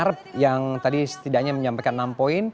semangat buat pemilu dua ribu dua puluh empat